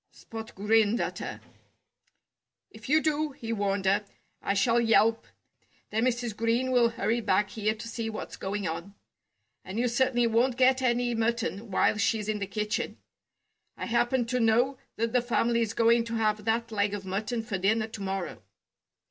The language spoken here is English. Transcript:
Spot grinned at her. "If you do," he warned her, "I shall yelp. Then Mrs. Green will hurry back here to see what's going on. And you certainly won't get any mutton while she's in the kitchen. I happen to know that the family's going to have that leg of mutton for dinner to morrow."